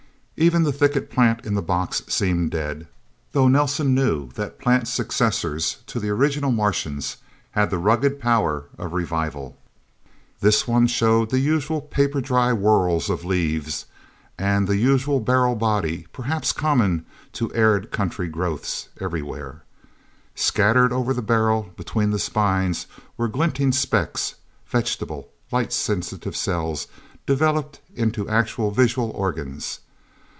Even the thicket plant in the box seemed dead, though Nelsen knew that plant successors to the original Martians had the rugged power of revival. This one showed the usual paper dry whorls or leaves, and the usual barrel body, perhaps common to arid country growths, everywhere. Scattered over the barrel, between the spines, were glinting specks vegetable, light sensitive cells developed into actual visual organs.